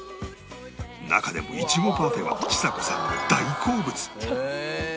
中でもいちごパフェはちさ子さんの大好物